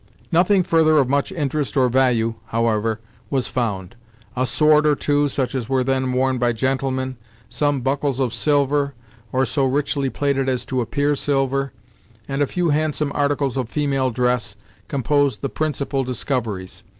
Nothing further of much interest or value, however, was found. A sword or two, such as were then worn by gentlemen, some buckles of silver, or so richly plated as to appear silver, and a few handsome articles of female dress, composed the principal discoveries.